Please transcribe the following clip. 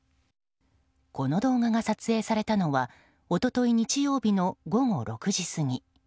この動画が撮影されたのは一昨日、日曜日の午後６時過ぎ。